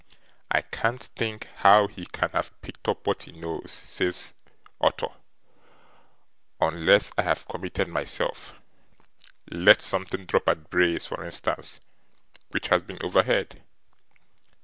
'I can't think how he can have picked up what he knows,' said Arthur, 'unless I have committed myself let something drop at Bray's, for instance which has been overheard.